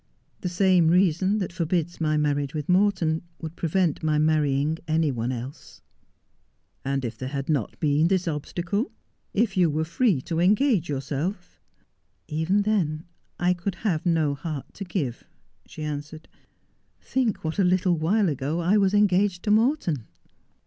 The same reason that forbids my marriage with Morton would prevent my marrying any one else.' ' And if there had not been this obstacle — if you were free to engage yourself '■ Even then I could have no heart to give,' she answered. ' Think what a little while ago I was engaged to Morton.'